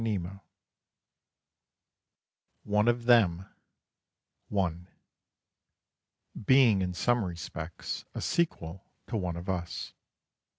_ "One of Them" Being in Some Respects a Sequel to "One of Us" I.